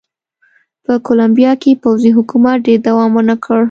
په کولمبیا کې پوځي حکومت ډېر دوام ونه کړ.